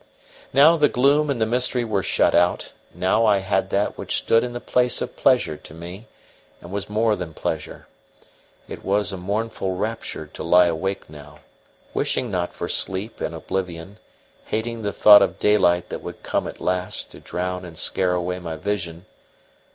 Now the gloom and the mystery were shut out; now I had that which stood in the place of pleasure to me, and was more than pleasure. It was a mournful rapture to lie awake now, wishing not for sleep and oblivion, hating the thought of daylight that would come at last to drown and scare away my vision.